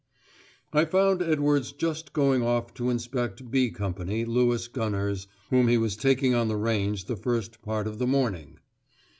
I found Edwards just going off to inspect "B" Company Lewis gunners, whom he was taking on the range the first part of the morning.